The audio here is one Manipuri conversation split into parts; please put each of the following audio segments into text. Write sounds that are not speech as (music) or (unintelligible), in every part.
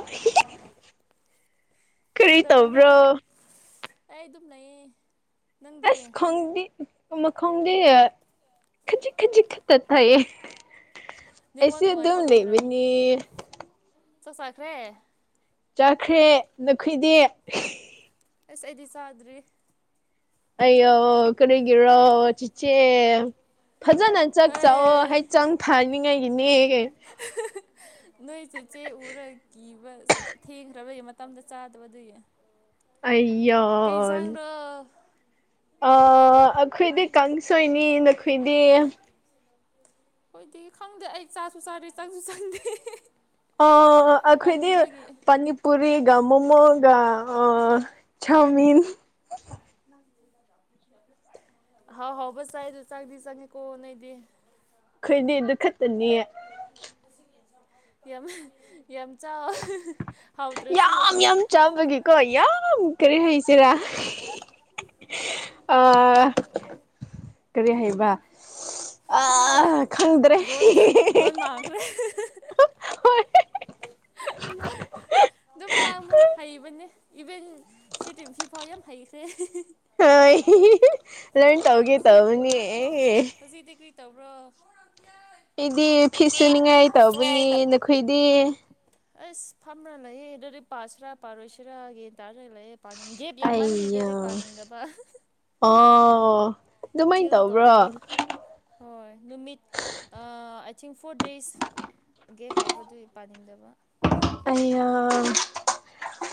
(unintelligible) ꯀꯔꯤ ꯀꯗꯧꯅꯣ ꯇꯧꯕ꯭ꯔꯣ ꯑꯩ ꯑꯗꯨꯝ ꯂꯩꯌꯦ ꯅꯪꯗꯤ ꯑꯁ ꯈꯪꯗꯤ ꯃꯈꯣꯡꯒꯤꯦ ꯈꯖꯤꯛ ꯈꯖꯤꯛ ꯈꯛꯇ ꯊꯌꯦ ꯅꯦꯠꯋꯥꯛ ꯑꯦꯁ ꯑꯗꯨꯝ ꯅꯨꯡꯉꯥꯏꯇꯕꯩ ꯂꯩꯕꯅꯤ ꯆꯠ ꯆꯈ꯭ꯔꯦ ꯆꯠꯈ꯭ꯔꯦ ꯅꯈꯣꯏꯗꯤ ꯑꯁ ꯑꯩꯗꯤ ꯆꯥꯗ꯭ꯔꯤ ꯑꯩꯑꯣ ꯀꯔꯤꯒꯤꯔꯣ ꯆꯤꯆꯦ ꯐꯖꯅ ꯆꯥꯛ ꯑꯦ ꯆꯥꯛꯑꯣ ꯍꯥꯜ ꯆꯪ ꯐꯥꯅꯤꯉꯩꯒꯤꯅꯦ ꯅꯣꯏ ꯆꯦꯆꯦ ꯎꯔ ꯀꯤꯕ ꯊꯦꯡꯈ꯭ꯔꯕꯩ ꯃꯇꯝꯗ ꯆꯥꯗꯕ ꯑꯗꯨꯒꯤ ꯑꯩꯌꯥ ꯑꯩꯈꯣꯏꯗꯤ ꯑꯥ ꯑꯩꯈꯣꯏꯗꯤ ꯀꯥꯡꯁꯣꯏꯅꯤ ꯅꯈꯣꯏꯗꯤ ꯍꯣꯏꯗꯤ ꯈꯪꯗꯦ ꯑꯩ ꯆꯥꯁꯨ ꯆꯥꯔꯦ ꯆꯪꯁꯨ ꯆꯪꯗꯦ ꯑ ꯑꯩꯈꯣꯏꯗꯤ ꯇꯟꯕꯒꯤ ꯄꯥꯅꯤ ꯄꯨꯔꯤꯒ ꯃꯣꯃꯣꯒ ꯆꯥꯎꯃꯤꯟ ꯍꯥꯎ ꯍꯥꯎ ꯆꯥꯏꯗꯣ ꯆꯪꯗꯤ ꯆꯪꯉꯦ ꯀꯣ ꯅꯣꯏꯗꯤ ꯑꯩꯈꯣꯏꯗꯤ ꯑꯗꯨ ꯈꯛꯇꯅꯦ ꯌꯥꯝ ꯌꯥꯝ ꯆꯥꯎ ꯍꯥꯎꯇ꯭ꯔꯁꯨ ꯌꯥꯝ ꯌꯥꯝ ꯆꯥꯕꯒꯤꯀꯣ ꯌꯥꯝ ꯀꯔꯤ ꯍꯩꯁꯤꯔꯥ ꯑ ꯀꯔꯤ ꯍꯥꯏꯕ ꯑꯥ ꯈꯪꯗ꯭ꯔꯦ ꯂꯣꯟ ꯂꯣꯟ ꯃꯥꯡꯈ꯭ꯔꯦ ꯍꯣꯏ (unintelligible) ꯑꯗꯨꯝ ꯉꯥꯡꯉꯨ ꯍꯩꯕꯅꯦ ꯏꯚꯦꯟ ꯁꯤ ꯇꯤꯝ ꯁꯤꯐꯥꯎ ꯌꯥꯝ ꯍꯩꯈ꯭ꯔꯦ ꯍꯣꯏ ꯂꯔꯟ ꯇꯧꯒꯦ ꯍꯧꯖꯤꯛ ꯇꯧꯅꯤ ꯍꯧꯖꯤꯛꯇꯤ ꯀꯔꯤ ꯇꯧꯕ꯭ꯔꯣ ꯑꯩꯗꯤ ꯐꯤꯁ ꯁꯨꯅꯤꯡꯉꯥꯏ ꯇꯧꯕꯅꯤ ꯅꯈꯣꯏꯗꯤ ꯑꯁ ꯐꯝꯅ ꯂꯩꯌꯦ ꯑꯗꯨꯗꯤ ꯄꯥꯁꯤꯔꯥ ꯄꯥꯔꯣꯏꯁꯤꯔꯥ ꯌꯦ ꯇꯥꯔ ꯂꯩꯌꯦꯦ ꯄꯥꯅꯤꯡ ꯒꯦꯞ ꯌꯥꯝ ꯃꯟꯕꯤ ꯑꯩꯌꯥ ꯂꯩꯔꯦ ꯄꯥꯅꯤꯡꯗꯕ ꯑꯣ ꯑꯗꯨꯃꯥꯏꯅ ꯆꯤꯜ ꯇꯧꯕ꯭ꯔꯣ ꯇꯧꯔꯤꯌꯦ ꯍꯣꯏ ꯅꯨꯃꯤꯠ I think four days gap ꯂꯩꯕꯗꯨ ꯄꯥꯅꯤꯡꯗꯕ ꯑꯩꯌꯥ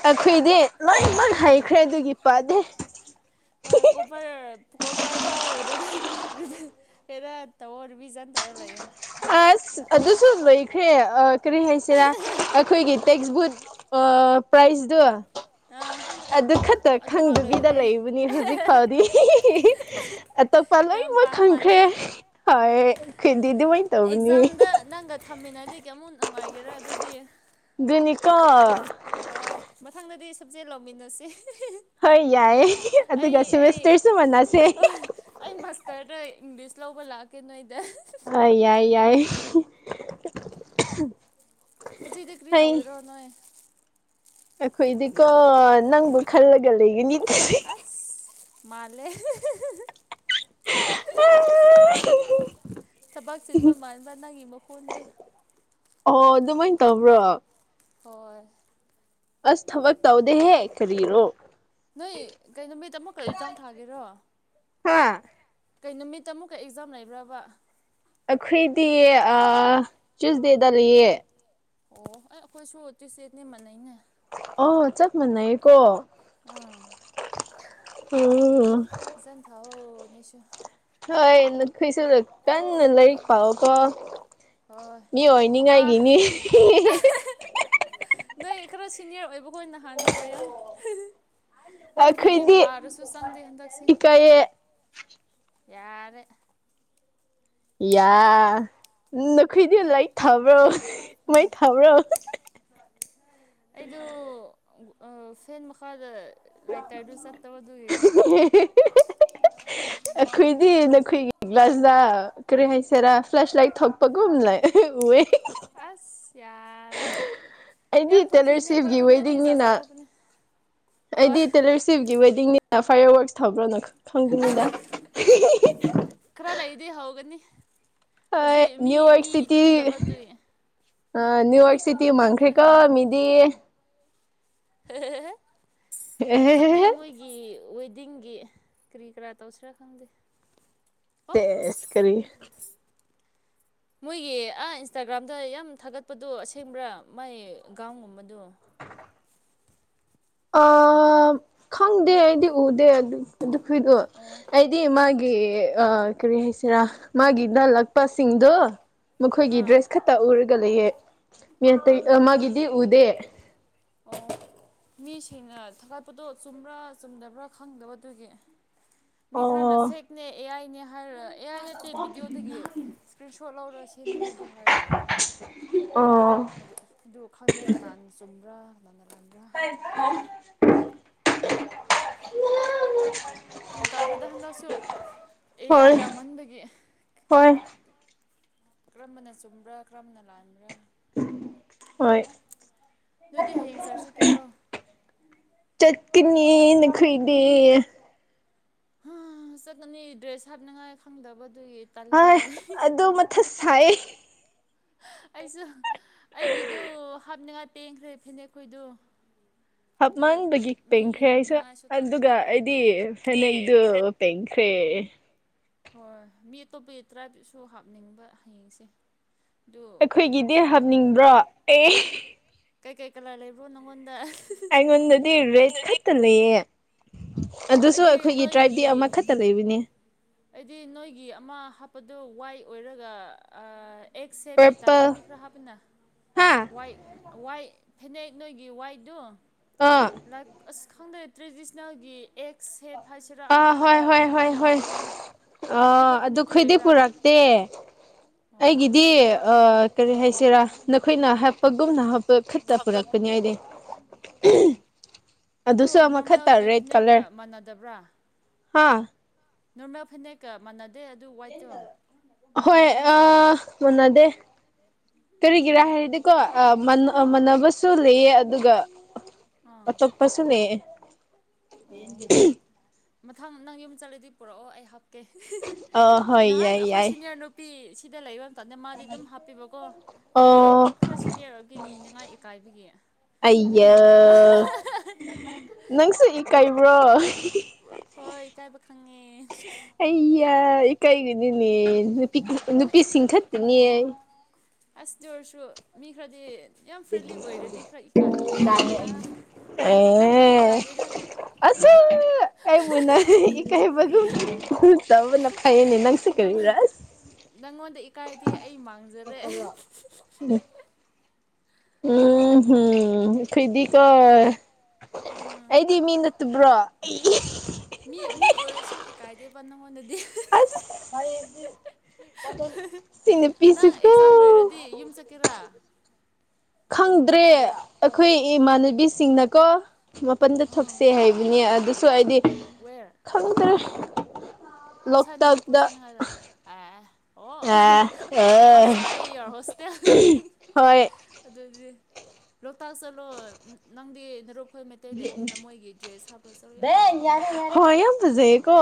ꯑꯩꯈꯣꯏꯗꯤ ꯂꯣꯏ ꯃꯛ ꯍꯩꯈ꯭ꯔꯦ ꯑꯗꯨꯒꯤ ꯄꯥꯗꯦ ꯍꯣꯏ ꯀꯣꯄꯔ ꯀꯣꯕꯔ ꯄꯥꯎ (unintelligible) ꯑꯦꯔ ꯇꯧꯑꯣꯏ ꯔꯕꯤꯖꯗꯧ ꯑꯣꯏꯔ ꯂꯩꯌꯣ ꯑꯁ ꯑꯗꯨꯁꯨ ꯂꯣꯏꯈ꯭ꯔꯦ ꯀꯔꯤ ꯍꯥꯏꯁꯤꯔꯥ ꯑꯩꯈꯣꯏꯒꯤ ꯇꯦꯛꯁꯕꯨꯛ ꯄ꯭ꯔꯥꯏꯁꯗꯣ ꯑꯥ ꯑꯗꯨ ꯈꯛꯇ ꯑꯗꯨꯐꯥꯎ ꯈꯪꯗꯕꯤꯗ ꯂꯣꯏꯈ꯭ꯔꯦ ꯂꯩꯕꯅꯤ ꯍꯧꯖꯤꯛ ꯐꯥꯎꯗꯤ (unintelligible) ꯑꯇꯛꯄ ꯌꯥꯝ ꯂꯣꯏꯃꯛ ꯄꯥꯝ ꯃꯥꯜꯂꯦ ꯈꯪꯈ꯭ꯔꯦ ꯍꯣꯏ ꯈꯣꯏꯗꯤ ꯗꯨꯃꯥꯏ ꯑꯦꯛꯖꯥꯝꯗ ꯅꯪꯒ ꯊꯝꯃꯤꯟꯅꯗꯤ ꯀꯌꯥꯃꯨꯛ ꯅꯨꯡꯉꯥꯏꯒꯦꯔꯥ ꯑꯗꯨꯗꯤ ꯑꯗꯨꯅꯤꯀꯣ ꯍꯣꯏ ꯃꯊꯪꯗꯗꯤ ꯁꯞꯆꯦꯠ ꯂꯧꯃꯤꯟꯅꯁꯦ ꯍꯣꯏ ꯌꯥꯏꯌꯦ ꯑꯗꯨꯒ ꯁꯤꯋꯦꯁꯇꯔꯁꯨ ꯃꯟꯅꯁꯦ ꯍꯣꯏ ꯑꯩ ꯃꯥꯁꯇꯔꯗ ꯏꯪꯂꯤꯁ ꯂꯧꯕ ꯂꯥꯛꯀꯦ ꯅꯣꯏꯗ ꯍꯣꯏ ꯌꯥꯏ ꯌꯥꯏ ꯍꯧꯖꯤꯛꯗꯤ ꯀꯔꯤ ꯍꯩ ꯇꯧꯒꯦꯔꯣ ꯅꯣꯏ ꯑꯩꯈꯣꯏꯗꯤꯀꯣ ꯅꯪꯕꯨ ꯈꯜꯂꯒ ꯂꯩꯒꯅꯤ ꯑꯁ ꯃꯥꯜꯂꯦ (unintelligible) ꯑ (unintelligible) ꯊꯕꯛ ꯆꯤꯟꯕ ꯃꯥꯟꯕ ꯅꯪꯒꯤ ꯃꯈꯣꯟꯗꯨ ꯑꯣ ꯑꯗꯨꯃꯥꯏ ꯇꯧꯕ꯭ꯔꯣ ꯍꯣꯏ ꯑꯁ ꯊꯕꯛ ꯇꯧꯗꯦꯍꯦ ꯀꯔꯤꯔꯣ ꯅꯣꯏ ꯀꯩꯅꯣ ꯃꯤꯠ ꯑꯃ ꯀꯔꯤ ꯑꯦꯛꯖꯥꯝ ꯊꯥꯒꯦꯔꯣ ꯍꯥ ꯀꯩ ꯅꯨꯃꯤꯠꯇ ꯑꯃꯨꯛꯀ ꯑꯦꯛꯖꯥꯝ ꯂꯩꯕꯕ꯭ꯔꯥ ꯑꯩꯈꯣꯏꯗꯤ ꯑꯥ ꯇꯨ꯭ꯌꯁꯗꯦꯗ ꯂꯩꯌꯦ ꯑꯣ ꯑꯩꯈꯣꯏꯁꯨ ꯇꯨꯏꯁꯗꯦꯅꯦ ꯃꯥꯟꯅꯩꯅꯦ ꯑꯣ ꯆꯞ ꯃꯥꯟꯅꯩꯌꯦꯀꯣ ꯑꯥ ꯎꯝ ꯐꯖꯟ ꯊꯥꯎꯋꯣ ꯅꯣꯏꯁꯨ ꯍꯣꯏ ꯅꯈꯣꯏꯁꯨ ꯀꯟꯅ ꯂꯥꯏꯔꯤꯛ ꯄꯥꯎꯑꯣꯀꯣ ꯍꯣꯏ ꯃꯤ ꯄꯥ ꯑꯣꯏꯅꯤꯡꯉꯥꯏꯒꯤꯅꯤ ꯅꯣꯏ ꯈꯔ ꯁꯤꯅꯤꯌꯔ ꯑꯣꯏꯕꯈꯣꯏ ꯅꯍꯥꯟ ꯑꯣꯏꯌꯣ ꯑꯈꯣꯏꯗꯤ ꯑꯩꯈꯣꯏꯗꯤ ꯄꯥꯔꯁꯨ ꯆꯪꯗꯦ ꯍꯟꯗꯛꯁꯦ ꯏꯀꯥꯏꯌꯦ ꯌꯥꯔꯦ ꯌꯥ ꯅꯈꯣꯏꯗꯤ ꯂꯥꯏꯠ ꯑꯥ ꯊꯥꯕ꯭ꯔꯣ ꯃꯩ ꯑꯥ ꯊꯥꯕ꯭ꯔꯣ ꯑꯩꯗꯣ ꯐꯦꯟ ꯃꯈꯥꯗ ꯂꯥꯏꯇꯔꯗꯨ ꯆꯠꯇꯕꯗꯨꯒꯤ ꯑꯈꯣꯏꯗꯤ ꯅꯈꯣꯏꯒꯤ (unintelligible) ꯀꯔꯤ ꯍꯥꯏꯁꯤꯔꯥ ꯐ꯭ꯂꯥꯁ ꯂꯥꯏꯠ ꯊꯣꯛꯄꯒꯨꯝ ꯂꯩ ꯎꯌꯦ ꯑꯁ ꯌꯥꯔꯦ ꯑꯩꯗꯤ ꯌꯥꯝ ꯊꯣꯛꯈꯤꯅꯦ ꯑꯈꯣꯏ ꯇꯦꯂꯔꯁꯤꯞꯀꯤ ꯔꯣꯝꯗꯗꯤ ꯖꯥꯠ ꯖꯥꯠ ꯋꯦꯗꯤꯡꯅꯤꯅ ꯊꯣꯛꯄꯅꯦ ꯍꯣꯏ ꯑꯩꯗꯤ ꯇꯦꯂꯔꯁꯤꯞꯀꯤ ꯋꯦꯗꯤꯡꯅꯤꯅ ꯐꯥꯏꯔ ꯋꯥ꯭ꯔꯛꯁ ꯊꯥꯕ꯭ꯔꯅ ꯈꯪꯕꯅꯤꯗ ꯈꯔ ꯂꯩꯗꯤ ꯍꯧꯒꯅꯤ ꯍꯣꯏ ꯍꯧꯖꯤꯛ ꯃꯤ ꯅꯨꯌ ꯋ꯭ꯔꯛ ꯃꯤ ꯁꯤꯇꯤ ꯇꯨꯝꯗꯕꯗꯨꯏ ꯑꯥ ꯃꯤ ꯅꯨꯌꯋ꯭ꯔꯛ ꯁꯤꯇꯤ ꯇꯨꯝꯈ꯭ꯔꯀꯥꯟꯗ ꯃꯥꯡꯈ꯭ꯔꯦꯀꯣ ꯂꯩꯍꯧꯅꯤ ꯃꯤꯗꯤ ꯈꯪꯗꯦ ꯑꯦꯍꯦꯍꯦꯍꯦ ꯃꯣꯏꯒꯤ ꯒꯤ ꯋꯦꯗꯤꯡꯒꯤ ꯀꯔꯤ ꯀꯔꯥ ꯇꯧꯁꯤꯔꯥ ꯈꯪꯗꯦ ꯑꯣ ꯁꯦꯁ ꯀꯔꯤ ꯃꯣꯏꯒꯤ ꯑꯥ ꯏꯟꯁꯇꯥꯒ꯭ꯔꯥꯝꯗ ꯌꯥꯝ ꯊꯥꯒꯠꯄꯗꯣ ꯑꯁꯦꯡꯕ꯭ꯔꯥ ꯃꯥꯏ ꯒꯥꯎꯟꯒꯨꯝꯕꯗꯣ ꯑ ꯈꯪꯗꯦ ꯑꯩꯗꯤ ꯎꯗꯦ ꯑꯗꯨ ꯑꯗꯨꯈꯣꯏꯗꯣ ꯑꯣ ꯑꯩ ꯗꯤ ꯃꯥꯒꯤ ꯑ ꯀꯔꯤ ꯍꯥꯏꯁꯤꯔꯥ ꯃꯥꯒꯤꯗ ꯂꯥꯛꯄꯥ ꯁꯤꯡꯗꯨ ꯃꯈꯣꯏꯒꯤ ꯑꯥ ꯗ꯭ꯔꯦꯁ ꯈꯛꯇ ꯎꯔꯒ ꯂꯩꯌꯦ ꯑꯣ ꯃꯤꯑꯇꯩ ꯃꯒꯤꯗꯤ ꯎꯗꯦ ꯑꯣ ꯃꯤꯁꯤꯡꯅ ꯊꯥꯒꯠꯄꯗꯣ ꯆꯨꯝꯕ꯭ꯔꯥ ꯆꯨꯝꯗꯕ꯭ꯔꯥ ꯈꯪꯗꯕꯗꯨꯒꯤ ꯃꯤ ꯑꯣ ꯈꯔꯅ ꯐꯦꯛꯅꯦ ꯑꯦ ꯑꯥꯏꯅꯦ ꯍꯥꯏꯔ ꯑꯦꯌꯥꯏ ꯅꯠꯇꯦ ꯕꯤꯗꯤꯑꯣꯗꯒꯤ ꯏꯁꯀ꯭ꯔꯤꯟ ꯁꯣꯠ ꯂꯧꯔꯒ ꯁꯦꯝꯕꯅꯦ ꯑꯗꯨ ꯍꯥꯏꯔ ꯂꯩꯗꯣ ꯑꯣ ꯑꯗꯨ ꯈꯪꯗꯦ ꯀꯥꯅꯥꯅ ꯆꯨꯝꯕ꯭ꯔꯥ ꯀꯥꯅꯥꯅ ꯂꯥꯟꯕ꯭ꯔꯥ (unintelligible) (unintelligible) (unintelligible) ꯇꯥꯗꯦꯗ ꯍꯟꯗꯛꯁꯨ ꯑꯦ ꯍꯣꯏ ꯑꯥꯏ ꯌꯥꯝꯃꯟꯕꯒꯤ ꯍꯣꯏ ꯀꯔꯝꯕꯅ ꯆꯨꯝꯕ꯭ꯔꯥ ꯀꯔꯝꯕꯅ ꯂꯥꯟꯕ꯭ꯔꯥ ꯍꯣꯏ ꯅꯣꯏꯗꯤ ꯍꯌꯦꯡ ꯆꯥ꯭ꯔꯁ ꯆꯠꯀꯦꯔꯣ ꯆꯠꯀꯅꯤꯌꯦ ꯅꯈꯣꯏꯗꯤ ꯍꯥ ꯆꯠꯀꯅꯤ ꯗ꯭ꯔꯦꯁ ꯍꯥꯞꯅꯤꯡꯉꯥꯏ ꯈꯪꯗꯕ ꯑꯗꯨꯒꯤ ꯇꯜꯂ ꯍꯣꯢ ꯂꯩ ꯑꯗꯨ ꯃꯥꯊ ꯁꯥꯏꯌꯦ ꯑꯩꯁꯨ ꯑꯩꯒꯤꯗꯨ ꯍꯥꯞꯅꯤꯡꯉꯥꯏ ꯄꯦꯟꯈ꯭ꯔꯦ ꯐꯅꯦꯛꯈꯣꯏꯗꯣ ꯍꯞꯃꯟꯕꯒꯤ ꯄꯦꯡꯈ꯭ꯔꯦ ꯑꯩꯁꯨ ꯍꯪꯅꯉꯥꯏꯁꯨ ꯇꯟꯕ ꯑꯗꯨꯒ ꯑꯩꯗꯤ ꯗꯤ ꯐꯅꯦꯛꯗꯨ ꯐꯦ ꯄꯦꯡꯈ꯭ꯔꯦ ꯍꯣꯏ ꯃꯤ ꯑꯇꯣꯞꯄꯒꯤ ꯇꯔꯥꯞꯁꯨ ꯍꯥꯞꯅꯤꯡꯕ ꯍꯌꯦꯡꯁꯦ ꯑꯗꯨ ꯀꯩ ꯑꯩꯈꯣꯏꯒꯤꯗꯤ ꯍꯥꯞꯁꯤꯔꯥ ꯍꯥꯞꯅꯤꯡꯕ꯭ꯔꯣ ꯑꯦ ꯀꯩ ꯀꯩ ꯀꯂꯥꯔ ꯂꯩꯕ꯭ꯔꯣ ꯅꯪꯉꯣꯟꯗ ꯑꯩꯉꯣꯟꯗꯗꯤ ꯔꯦꯠ ꯈꯛꯇ ꯂꯩꯌꯦ ꯑꯣ ꯑꯗꯨꯁꯨ ꯑꯩꯗꯤ ꯑꯩꯈꯣꯏꯒꯤ ꯇ꯭ꯔꯥꯏꯞꯇꯤ ꯅꯣꯏꯒꯤ ꯑꯃꯈꯛ ꯇꯂꯩꯕꯅꯦ ꯑꯩꯗꯤ ꯅꯣꯏꯒꯤ ꯑꯃ ꯍꯥꯞꯄꯗꯣ ꯋꯥꯏ ꯑꯣꯏꯔꯒ ꯑꯥ ꯑꯦꯛꯁꯦꯞꯒꯤ ꯇꯥꯏꯞꯇꯥ ꯄꯔꯄꯜ ꯃꯤ ꯈꯔ ꯍꯥꯞꯄꯤꯅ ꯍꯥ ꯋꯥꯏ ꯋꯥꯏ ꯐꯅꯦꯛ ꯅꯣꯏꯒꯤ ꯋꯥꯏꯗꯣ ꯑꯥ ꯅꯛ ꯑꯁ ꯈꯪꯗꯦ ꯇ꯭ꯔꯦꯗꯤꯁꯅꯦꯜꯒꯤ ꯑꯦꯛ ꯁꯦꯞ ꯍꯥꯏꯁꯤꯔꯥ ꯑꯃ ꯑꯥ ꯍꯣꯏ ꯍꯥꯞꯄꯗꯨ ꯍꯣꯏ ꯍꯣꯏ ꯑꯗꯨꯃꯥꯏꯅ ꯍꯣꯏ ꯍꯥꯞꯅꯤꯡꯉꯦ ꯑꯥ ꯑꯗꯨꯝꯕ ꯐꯅꯦꯛꯇꯨ ꯑꯗꯨꯈꯣꯏꯗꯤ ꯂꯩꯕ꯭ꯔꯥ ꯄꯨꯔꯛꯇꯦ ꯑꯣ ꯑꯩꯒꯤꯗꯤ ꯑꯗꯨꯗꯣ ꯍꯥꯞꯅꯤꯡꯉꯦ ꯑꯥ ꯀꯔꯤ ꯍꯥꯏꯁꯤꯔꯥ ꯅꯈꯣꯏꯅ ꯍꯥꯞꯄꯒꯨꯝꯅ ꯍꯞ- ꯄ ꯈꯤꯠꯇ ꯍꯥꯞꯄ ꯄꯨꯔꯛꯄꯅꯦ ꯑꯩꯗꯤ ꯑꯗꯨ ꯑꯗꯨꯁꯨ ꯑꯃꯈꯛꯇ ꯅꯣꯔꯃꯦꯜꯒꯤ ꯐꯅꯦꯛꯀ ꯃꯥꯟꯅꯗꯕ꯭ꯔꯥ ꯍꯥꯥ ꯅꯣꯔꯃꯦꯜ ꯐꯅꯦꯛꯀ ꯃꯥꯟꯅꯗꯦ ꯑꯗꯨ ꯋꯥꯏꯠꯇꯣ ꯍꯣꯏ ꯑꯥ ꯃꯥꯟꯅꯗꯦ ꯀꯔꯤꯒꯤꯔꯥ ꯑꯥ ꯍꯥꯏꯔꯗꯤꯀꯣ ꯑꯥ ꯃꯥꯟꯅꯕꯁꯨ ꯂꯩꯌꯦ ꯑꯗꯨꯒ ꯑꯥ (unintelligible) ꯄꯁꯨꯅꯦ ꯑꯣ ꯃꯊꯪ ꯅꯪ ꯌꯨꯝ ꯆꯠꯂꯗꯤ ꯄꯨꯔꯛꯑꯣ ꯑꯩ ꯍꯥꯞꯀꯦ ꯑ ꯍꯣꯏ ꯅꯍꯥꯟ ꯌꯥꯏ ꯑꯩꯈꯣꯏ ꯌꯥꯏ ꯁꯤꯅꯤꯌꯔ ꯅꯨ- ꯄꯤ ꯁꯤꯗ ꯂꯩꯕ ꯃꯇꯝꯗ ꯃꯥꯗꯤ ꯑꯗꯨꯝ ꯍꯥꯞꯄꯤꯕꯀꯣ ꯑꯗꯨ ꯑꯣ ꯈꯔ ꯁꯤꯟꯅꯤꯌꯔ ꯑꯣꯏꯒꯅꯤꯅ ꯉꯥꯏ ꯏꯀꯥꯏꯕꯒꯤ ꯁꯨꯅꯤ ꯑꯩꯌꯥ ꯅꯤꯗꯕ ꯅꯪꯁꯨ ꯏꯀꯥꯏꯕ꯭ꯔꯣ ꯍꯣꯏ ꯏꯀꯥꯏꯕ ꯈꯪꯉꯦ ꯑꯩꯌꯥ ꯏꯀꯥꯏꯒꯅꯨꯅꯦ ꯅꯨꯄꯤ ꯆꯤꯡ ꯈꯠꯇꯅꯦ ꯑꯁ ꯗꯨ ꯑꯣꯏꯔꯁꯨ ꯃꯤ ꯈꯔꯗꯤ ꯌꯥꯝ ꯐ꯭ꯔꯤꯂꯤ ꯑꯣꯏꯔꯗꯤ ꯈꯔ ꯏꯀꯥꯏꯕ ꯑꯗꯨꯒꯤꯅꯤꯗ ꯅꯪꯕꯨꯗꯤ ꯏꯀꯥꯏꯗꯦꯗ ꯑꯁꯨꯝ ꯑꯩꯕꯨꯅ ꯏꯀꯩꯕꯒꯨꯝ ꯇꯧꯕꯅ ꯐꯩꯅꯦ ꯅꯪꯁꯤ ꯀꯔꯤꯔ ꯅꯪꯉꯣꯟꯗ ꯏꯀꯥꯏꯗꯤ ꯑꯩ ꯃꯥꯡꯖꯔꯦ (unintelligible) ꯎꯝ ꯍꯨꯝ ꯑꯩꯈꯣꯏꯗꯤꯀꯣ ꯎꯝ ꯑꯩꯗꯤ ꯃꯤꯅ (unintelligible) ꯃꯤ ꯃꯤ ꯑꯣꯏꯔꯁꯨ ꯏꯀꯥꯏꯗꯦꯕ ꯅꯪꯉꯣꯟꯗꯗꯤ ꯑꯁ ꯁꯤ ꯅꯨꯄꯤ ꯅꯪ (unintelligible) ꯑꯦꯛꯖꯥꯝ ꯂꯣꯏꯔꯗꯤ (unintelligible) ꯈꯪꯗ꯭ꯔꯦ ꯑꯩꯈꯣꯏ ꯏꯃꯥꯟꯅꯕꯤꯁꯤꯡꯅꯀꯣ ꯃꯄꯟꯗ ꯎꯝ ꯊꯣꯛꯁꯦ ꯍꯥꯏꯕꯅꯦ ꯑꯗꯨꯁꯨ ꯑꯩꯗꯤ (unintelligible) ꯈꯪꯗꯔꯦ ꯑꯥꯎꯁꯥꯏꯗ ꯃꯅꯤꯄꯨꯔ ꯆꯠꯅꯤꯡꯉꯥꯏꯔ ꯑꯦ ꯑꯣ ꯑꯦ ꯑꯦ ꯑꯆꯁꯥꯏ ꯌꯣꯔ ꯍꯣꯁꯇꯦꯜ ꯍꯣꯏ ꯑꯗꯨꯗꯤ ꯂꯣꯛꯇꯥꯛ ꯆꯠꯂꯣ ꯅꯪꯗꯤ ꯅꯔꯨꯞ ꯈꯣꯏ ꯃꯩꯇꯩ ꯂꯩꯕꯅꯤꯅ ꯃꯣꯏꯒꯤ ꯗ꯭ꯔꯦꯁ ꯍꯥꯞꯄꯒ ꯆꯠꯂꯨ ꯌꯥꯝ ꯐꯖꯕꯅꯦ ꯍꯣꯏ ꯌꯥꯝ ꯐꯖꯩꯀꯣ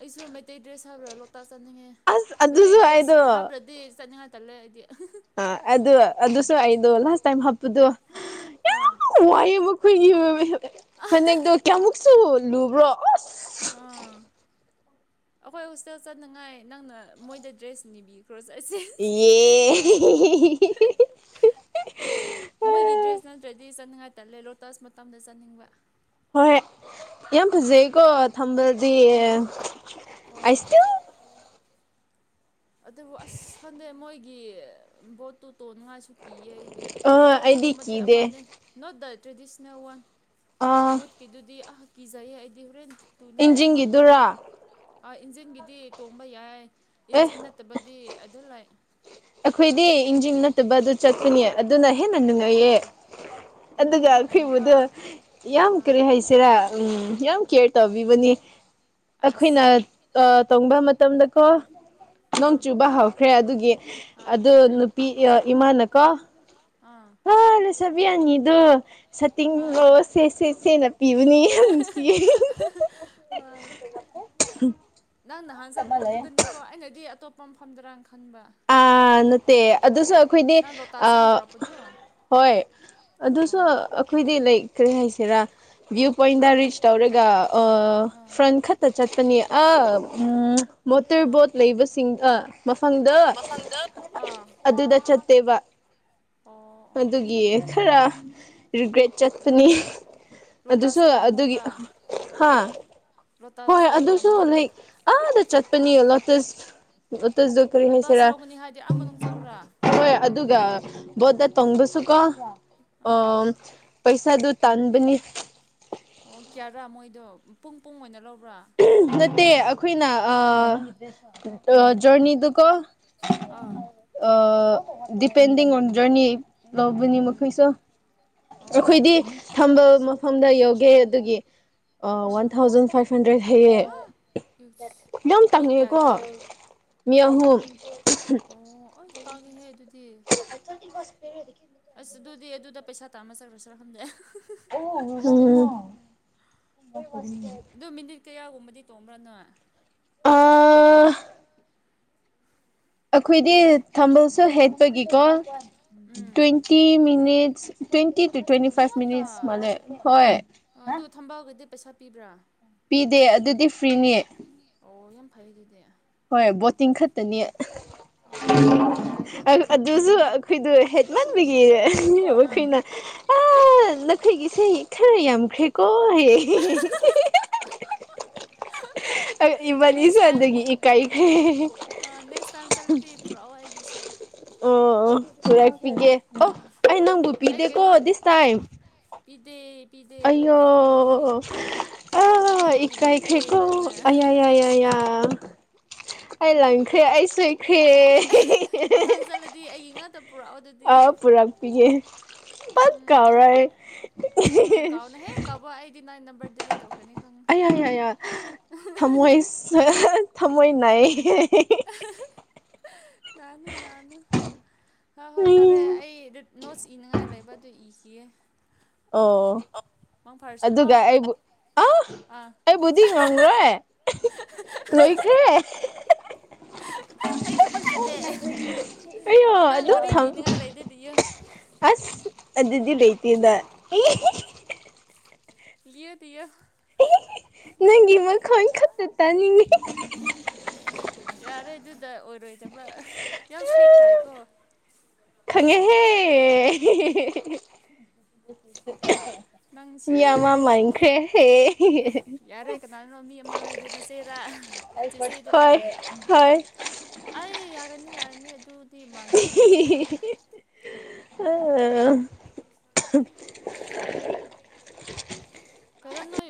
ꯑꯩꯁꯨ ꯃꯩꯇꯩ ꯗ꯭ꯔꯦꯁ ꯍꯥꯏꯕ꯭ꯔꯥ ꯂꯣꯛꯇꯥꯛ ꯆꯠꯅꯤꯡꯉꯦ ꯑꯁ ꯃꯩꯇꯩ ꯑꯗꯨꯁꯨ ꯑꯩꯗꯣ ꯗ꯭ꯔꯦꯁ ꯍꯥꯞꯗ꯭ꯔꯗꯤ ꯆꯠꯅꯤꯡꯉꯥꯏ ꯇꯜꯂꯦ ꯑꯩꯗꯤ ꯑꯥ ꯑꯗꯨ ꯑꯗꯨꯁꯨ ꯑꯩꯗꯣ ꯎꯝ ꯂꯥꯁ ꯇꯥꯏꯝ ꯍꯥꯞꯄꯗꯣ ꯑꯥ ꯌꯝ ꯋꯥꯏꯌꯦꯕ ꯈꯨꯏꯒꯤ ꯐꯅꯦꯛꯗꯣ ꯀꯌꯥꯃꯨꯛꯁꯨ ꯂꯨꯕ꯭ꯔꯣ ꯑꯁ ꯑꯥ ꯑꯩꯈꯣꯏ ꯍꯣꯁꯇꯦꯜ ꯆꯠꯅꯉꯥꯏ ꯅꯪꯅ ꯃꯣꯏꯗ ꯗ꯭ꯔꯦꯁ ꯅꯤꯕꯤꯈ꯭ꯔꯣ ꯆꯠꯁꯦ ꯌꯦ (unintelligible) ꯃꯣꯏꯒꯤ ꯗ꯭ꯔꯦꯁ ꯅꯠꯇ꯭ꯔꯗꯤ ꯆꯠꯅꯤꯡꯉꯥꯏꯇꯜꯂꯦ ꯂꯣꯇꯁ ꯃꯇꯝꯗ ꯆꯠꯅꯤꯡꯕ ꯍꯣꯏ ꯍꯣꯏ ꯌꯥꯝ ꯐꯖꯩꯀꯣ ꯊꯝꯕꯗꯤ ꯎꯝ ꯑꯥꯏ ꯍꯣꯏ ꯁꯇꯤꯜ (unintelligible) ꯑꯗꯨꯕꯨ ꯑꯁ ꯈꯪꯗꯦ ꯃꯣꯏꯒꯤ ꯕꯣꯠꯇꯨ ꯇꯣꯡꯅꯤꯡꯉꯥꯏꯁꯨ ꯀꯤꯌꯦ ꯑꯩꯗꯤ ꯑ ꯑꯩꯗꯤ ꯑꯆꯧꯕꯒꯨꯝꯕꯗꯤ ꯀꯤꯗꯦ ꯑꯃꯅꯦ note the traditional one ah with ꯀꯤꯗꯨꯗꯤ ꯑꯍꯥ ꯀꯖꯩꯌꯦ ꯑꯩꯗꯤ ꯍꯣꯔꯦꯟ ꯇꯨꯅꯤꯡꯉꯥꯏ ꯌꯥꯝ ꯃꯥꯟꯕ ꯏꯟꯖꯤꯡꯒꯤꯗꯨꯔꯥ ꯑꯥ ꯏꯟꯖꯤꯟꯒꯤꯗꯤ ꯇꯣꯡꯕ ꯌꯥꯏ ꯑꯦ ꯏꯟꯖꯤꯟ ꯅꯠꯇꯕꯗꯤ ꯑꯗꯨ ꯂꯥꯏ ꯑꯩꯈꯣꯏꯗꯤ ꯏꯟꯖꯤꯡ ꯅꯠꯇꯕ ꯑꯗꯨ ꯆꯠꯄꯅꯦ ꯑꯗꯨꯅ ꯍꯦꯟꯅ ꯅꯨꯡꯉꯥꯏꯌꯦ ꯑꯣ ꯑꯣ ꯑꯗꯨꯒ ꯑꯩꯗꯤ ꯀꯤꯕ ꯑꯈꯣꯏꯕꯨꯗꯣ ꯌꯥꯝ ꯑꯥ ꯀꯔꯤ ꯍꯥꯏꯁꯤꯔꯥ ꯑꯝ ꯌꯥꯝ ꯀꯦꯌꯔ ꯇꯧꯕꯤꯕꯅꯤ ꯑꯩꯈꯣꯏꯅ ꯑꯁ ꯑꯥ ꯇꯣꯡꯕ ꯃꯇꯝꯗꯀꯣ ꯅꯣꯡ ꯑꯥ ꯆꯨꯕ ꯍꯧꯥꯎꯈ꯭ꯔꯦ ꯑꯗꯨꯒꯤ ꯑꯥ ꯑꯗꯨ ꯅꯨꯄꯤ ꯏꯃꯥꯅꯀꯣ ꯑꯥ ꯂꯩꯁꯕꯤ ꯑꯅꯤꯗꯨ ꯑꯥ ꯑꯥ ꯁꯥꯠꯇꯤꯡꯗ‌ꫭ ꯁꯦ ꯁꯦ ꯁꯦꯅ ꯄꯤꯕꯅꯤ ꯌꯥꯝ ꯅꯨꯡꯁꯤꯌꯦ ꯍꫭꯏ ꯅꯪ ꯅꯍꯥꯟ ꯆꯠꯄꯗꯣ ꯑꯗꯨꯗꯅꯤꯀꯣ ꯑꯩꯅꯗꯤ ꯑꯇꯣꯞꯄ ꯃꯐꯝꯝꯗꯔꯅ ꯈꯟꯕ ꯑꯥ ꯅꯠꯇꯦ ꯑꯗꯨꯁꯨ ꯑꯩꯈꯣꯏꯗꯤ ꯅꯪ ꯂꯣꯇꯥꯁ ꯌꯥꯝ ꯑꯥ ꯄꯨꯔꯛꯄꯗꯣ ꯍꯣꯏ ꯑꯗꯨꯁꯨ ꯑꯣ ꯑꯩꯈꯣꯏꯗꯤ ꯂꯩ ꯀꯔꯤ ꯍꯥꯏꯁꯤꯔꯥ ꯚꯤꯌꯨ ꯄꯣꯏꯟꯗ ꯔꯤꯆ ꯇꯧꯔꯒ ꯑꯥ ꯐ꯭ꯔꯟ ꯈꯛꯇ ꯆꯠꯄꯅꯤ ꯑꯥ ꯑꯥ ꯃꯣꯇꯣꯔꯕꯣꯠ ꯂꯩꯕꯁꯤꯡ ꯑꯥ ꯃꯐꯝꯗꯣ ꯑꯪꯗ (unintelligible) ꯑꯥ ꯑꯗꯨꯗ ꯆꯠꯇꯦꯕ ꯑꯣ ꯑꯗꯨꯒꯤ ꯈꯔ ꯔꯤꯒ꯭ꯔꯦꯠ ꯆꯠꯄꯅꯤ ꯑꯗꯨꯁꯨ ꯂꯣꯇꯥꯁꯁꯦ ꯌꯥꯝ ꯑꯗꯨꯒꯤ ꯍꯣꯡꯕ꯭ꯔꯥ ꯍꯥ ꯍꯣꯏ ꯂꯣꯇꯥꯁꯗꯣ ꯌꯥꯝ ꯑꯗꯨꯁꯨ ꯍꯣꯡꯕ꯭ꯔꯥ ꯂꯥꯏꯛ ꯑꯥꯗ ꯆꯠꯄꯅꯤ ꯂꯣꯇꯁ ꯑꯣꯇꯁꯨꯖ ꯀꯔꯤ ꯂꯣꯇꯥꯁ ꯍꯥꯏꯁꯤꯔ ꯂꯧꯒꯅꯤ ꯍꯥꯏꯗꯤ ꯑꯥ ꯃꯅꯨꯡ ꯆꯪꯕ꯭ꯔꯥ ꯍꯣꯏ ꯑꯗꯨꯒ ꯕꯣꯠꯗꯥ ꯇꯣꯡꯕꯁꯨꯀꯣ ꯑꯥ ꯑꯣ ꯄꯩꯁꯥꯗꯨ ꯇꯥꯟꯕꯅꯤ ꯑꯣ ꯀꯌꯥꯔꯥ ꯃꯣꯏꯗꯣ ꯄꯨꯡ ꯄꯨꯡ ꯑꯣꯏꯅ ꯂꯧꯕ꯭ꯔꯥ ꯅꯠꯇꯦ ꯑꯩꯈꯣꯏꯅ ꯑꯥ ꯖꯔꯅꯤꯗꯨꯀꯣ ꯑꯥ ꯑꯥ ꯗꯤꯄꯦꯟꯗꯤꯡ ꯑꯣꯟ ꯖꯔꯅꯤ ꯂꯧꯕꯅꯤ ꯎꯝ ꯃꯈꯣꯏꯁꯨ ꯑꯣ ꯑꯣ ꯑꯩꯈꯣꯏꯗꯤ ꯊꯝꯕ ꯃꯐꯝ ꯐꯝꯗ ꯌꯧꯒꯦ ꯑꯗꯨꯒꯤ one ah thousand five hundred ꯍꯥꯏꯌꯦ ꯏꯁ ꯌꯥꯝ ꯃꯤ ꯇꯪꯉ‌ꯦꯀꯣ ꯀꯌꯥꯒꯤ ꯃꯤ ꯑꯍꯨꯝ ꯑꯣ ꯑꯁ ꯇꯥꯡꯉꯦꯍꯦ ꯑꯗꯨꯗꯤ (unintelligible) ꯑꯁ ꯑꯗꯨꯗꯤ ꯑꯗꯨꯗ ꯄꯩꯁꯥ ꯇꯥꯟꯕ ꯆꯠꯈ꯭ꯔꯁꯤꯔ ꯈꯪꯗꯦ ꯑꯣ (unintelligible) ꯑꯗꯨ ꯃꯤꯅꯤꯠ ꯀꯌꯥꯒꯨꯝꯕꯗꯤ ꯇꯣꯡꯕ꯭ꯔꯥ ꯅꯣꯏ ꯑꯥ ꯑꯩꯈꯣꯏꯗꯤ ꯊꯝꯕꯜꯁꯨ ꯍꯦꯛꯄꯒꯤꯀꯣ um twenty minutes twenty two twenty ꯑꯗꯨ ꯐꯥꯏꯚ ꯃꯤꯅꯤꯠꯁ ꯃꯥꯜꯂꯦ ꯍꯣꯏ ꯑ ꯑꯗꯨ ꯊꯝꯕꯥꯜꯒꯗꯤ ꯄꯩꯁꯥ ꯄꯤꯕ꯭ꯔꯥ ꯄꯤꯗꯦ ꯑꯗꯨꯗꯤ ꯐ꯭ꯔꯤꯅꯤ ꯑꯣ ꯌꯥꯝ ꯐꯩ ꯑꯗꯨꯗꯤ ꯍꯣꯏ ꯕꯣꯠꯇꯤꯡ ꯈꯛꯇꯅꯤ ꯑꯣ ꯌꯥꯏꯗ ꯑꯗꯨꯗꯤ ꯑꯗꯨꯁꯨ ꯑꯩꯈꯣꯏꯗꯨ ꯍ‌ꯦꯛ ꯃꯟꯕꯒꯤ ꯑꯥ ꯑꯩꯈꯣꯏꯅ (unintelligible) ꯑ ꯅꯈꯣꯏꯒꯤꯁ‌ꯦ ꯈꯔ ꯌꯥꯝꯈ꯭ꯔꯦ ꯀꯣ ꯍꯥꯏꯌꯦ ꯏꯕꯅꯤꯁꯦ ꯅꯦꯛꯁ ꯇꯥꯏꯝ ꯑꯗꯒꯤ ꯏꯛ ꯅꯦꯛꯁ ꯇꯥꯏꯝ ꯆꯠꯂꯗꯤ ꯄꯨꯔꯛꯑꯣ ꯑꯩꯒꯤꯁꯨ ꯑꯣ ꯄꯨꯔꯛꯄꯤꯒꯦ ꯑꯣ ꯑꯥ ꯑꯩ ꯅꯪꯕꯨ ꯑꯩ ꯄꯤꯗꯦꯀꯣ ꯀꯩꯅꯣ ꯗꯤꯁ ꯇꯥꯏꯝ ꯄꯤꯗꯦ ꯄꯤꯗꯦ ꯑꯩꯌꯣ ꯑꯩꯈꯣꯏꯕꯨꯗꯤ ꯑꯩꯈꯣꯏꯕꯨꯗꯤ ꯑꫭ ꯏꯀꯥꯏ ꯎꯕꯤꯗ꯭ꯔꯦ ꯈꯔ‌ꯦꯀꯣ ꯅꯪꯅ ꯑꯌꯥ ꯌꯥ ꯌꯥ ꯌꯥ ꯌꯥ ꯑꯩ ꯂꯪꯈ꯭ꫪꯦ ꯑꯩ ꯁꫭꯏ ꯈꯔ‌ꯦ ꯃꯊꯪ ꯆꯠꯂꯗꯤ ꯑꯩꯒꯤ ꯉꯥꯛꯇ ꯄꯨꯔꯛꯑꯣ ꯑꯗꯨꯗꯤ ꯑ ꯄꯨꯔꯛꯄꯤꯒ‌ꯦ ꯄꯥꯛ ꯎꯝ ꯎꯝ ꯀꯥꯎꯔꯣꯏ ꯑꯩ (unintelligible) ꯀꯥꯎꯕꯥ ꯑꯩꯗꯤ ꯅꯪ ꯅꯝꯕꯔ ꯗꯤꯂꯤꯠ ꯇꯧꯈ꯭ꯔꯅꯤ ꯈꯪꯉꯨ ꯑꯌꯥ ꯊꯝꯃꯣꯏ ꯅꯥꯏ ꯅꯥꯅꯨ ꯅꯥꯅꯨ ꯍ (unintelligible) ꯍꯣꯏ ꯐ ꯑꯔꯦ ꯎꯝ ꯑꯩ ꯅꯣꯠꯁ ꯏꯅꯤꯉꯥꯏ ꯂꯩꯕ ꯑꯗꯨ ꯏꯈꯤꯌꯦ ꯑꯣ ꯑꯗꯨꯒ ꯑꯩꯕꯨ ꯑ ꯑꯥ ꯑꯩꯕꯨꯗꯤ ꯗꯤꯉꯪ ꯔꯣꯏ ꯂꯣꯏꯈ꯭ꯔꯦ ꯑꯩ ꯊꯕꯛ ꯆꯠꯂꯦ ꯑꯌꯣ ꯅꯪ ꯑꯗꯨꯝ ꯋꯥꯔꯤ ꯊꯝ ꯂꯤꯅꯤꯡꯉꯥꯏ ꯂꯩꯗꯤ ꯂꯤꯌꯨ ꯑꯁ ꯑꯗꯨꯗꯤ ꯂꯩꯇꯦꯗ ꯌꯦꯗꯤ ꯌꯦ ꯅꯪꯒꯤ ꯃꯈꯣꯜ ꯈꯛꯇ ꯇꯥꯅꯤꯡꯉꯤ ꯌꯥꯔꯦ ꯑꯗꯨꯗ ꯑꯣꯏꯔꯣꯏꯗꯕ ꯌꯥꯝ ꯐꯦꯛ ꯇꯥꯏꯀꯣ ꯈꯪꯉꯦꯍꯦ ꯅꯪ ꯃꯤ ꯁꯤꯗꯤ ꯑꯃ ꯃꯥꯟꯈ꯭ꯔꯦꯍꯦ ꯌꯥꯔꯦ ꯀꯅꯥꯅꯣ ꯃꯤ ꯑꯃ ꯍꯥꯏꯗꯅꯆꯦꯔꯥ ꯆꯦꯆꯦꯗꯨꯔ ꯍꯣꯏ ꯍꯣꯏ ꯑꯩ ꯌꯥꯔꯅꯤ ꯌꯥꯔꯅꯤ ꯑꯗꯨꯗꯤ ꯃꯥꯟꯖꯅꯤꯡꯗꯦ ꯑꯩ ꯑꯣ ꯀꯔꯟ ꯅꯣꯏ